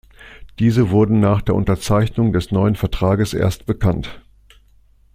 Diese wurden nach der Unterzeichnung des neuen Vertrages erst bekannt.